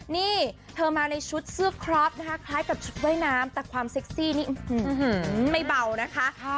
นี่เธอมาในชุดเสื้อครอบนะคะคล้ายกับชุดว่ายน้ำแต่ความเซ็กซี่นี่ไม่เบานะคะ